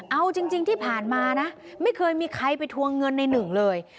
เอาจริงที่ผ่านมานะไม่เคยมีใครไปทวงเงินในหนึ่งเลย